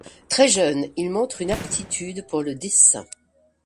Très jeune, il montre une aptitude pour le dessin.